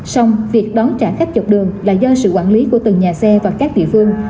xong việc đón trả khách dọc đường là do sự quản lý của từng nhà xe và các địa phương